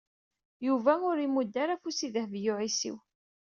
Yuba ur imudd ara afus i Dehbiya u Ɛisiw.